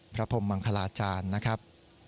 พระพรมมังคลาจารย์นะครับ